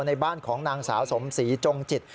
ในบ้านของนางสาวสมศรีจงจิต